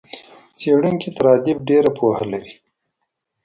څېړونکی تر ادیب ډېره پوهه لري.